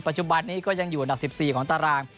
จุบันนี้ก็ยังอยู่อันดับ๑๔ของตาราง